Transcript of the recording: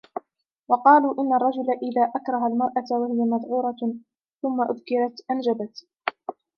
وَقَالُوا إنَّ الرَّجُلَ إذَا أَكْرَهَ الْمَرْأَةَ وَهِيَ مَذْعُورَةٌ ثُمَّ أَذُكِرَتْ أَنْجَبَتْ